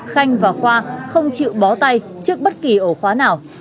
khanh và khoa không chịu bó tay trước bất kỳ ổ khóa nào